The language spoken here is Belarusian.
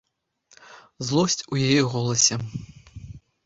Злосць у яе голасе.